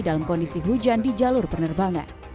dalam kondisi hujan di jalur penerbangan